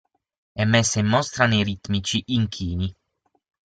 È messa in mostra nei ritmici inchini.